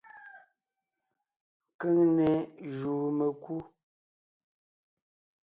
Keŋne jùu mekú.